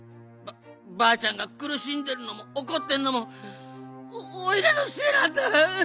ばあちゃんがくるしんでるのもおこってるのもおいらのせいなんだ！